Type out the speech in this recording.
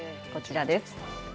こちらです。